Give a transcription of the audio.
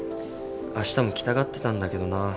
あしたも来たがってたんだけどな。